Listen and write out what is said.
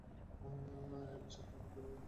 এত সব জানলে কীভাবে?